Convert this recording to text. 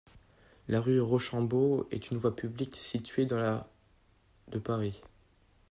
La rue Rochambeau est une voie publique située dans le de Paris.